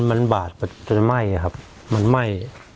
มันบาดไปจนไหม้ครับมันไหม้